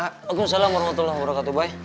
waalaikumsalam warahmatullahi wabarakatuh boy